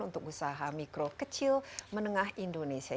untuk usaha mikro kecil menengah indonesia